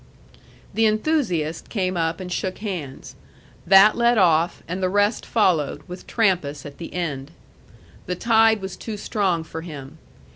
The enthusiast came up and shook hands. That led off, and the rest followed, with Trampas at the end. The tide was too strong for him.